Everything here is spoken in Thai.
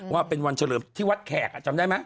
ว่าเป็นวันเฉลิมที่วัดแขกจำได้ไหม